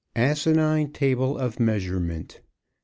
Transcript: ASININE TABLE OF MEASUREMENT.